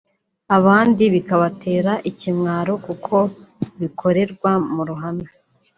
abandi bikabatera ikimwaro kuko bikorerwa mu ruhame